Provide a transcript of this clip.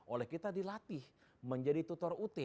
oleh kita dilatih menjadi tutor ut